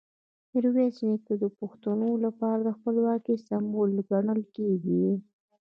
میرویس نیکه د پښتنو لپاره د خپلواکۍ سمبول ګڼل کېږي.